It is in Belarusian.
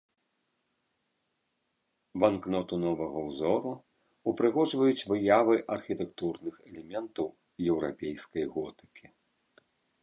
Банкноту новага ўзору ўпрыгожваюць выявы архітэктурных элементаў еўрапейскай готыкі.